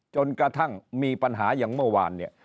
จนกระทั่งมีปัญหาอย่างเมื่อวานเนี่ย